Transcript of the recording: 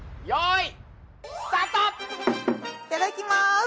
いただきます。